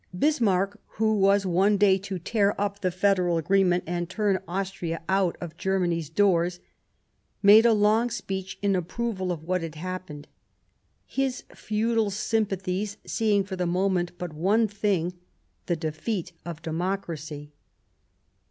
Bismarck, who was one day to tear up the Federal agreement and turn Austria out of Germany's doors, made a long speech in approval of what had happened ; his feudal sympathies seeing for the moment but one thing — the defeat of democracy.